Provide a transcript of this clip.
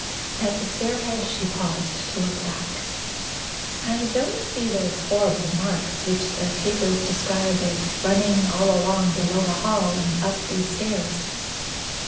At the stair head she paused to look back. "I don't see those horrible marks which the papers describe as running all along the lower hall and up these stairs."